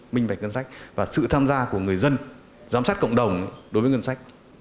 minh vạch ngân sách và sự tham gia của người dân giám sát cộng đồng đối với ngân sách